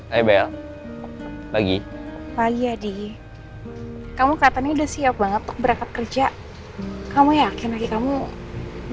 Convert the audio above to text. hai bel pagi pagi adi kamu katanya udah siap banget berangkat kerja kamu yakin lagi kamu